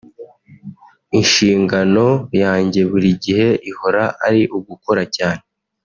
Inshingano yanjye buri gihe ihora ari ugukora cyane